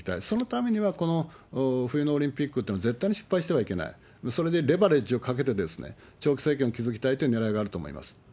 そのためには、この冬のオリンピックっていうのは絶対に失敗してはいけない。それでレバレッジをかけて、長期政権を築きたいというねらいがあると思います。